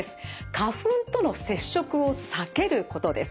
花粉との接触を避けることです。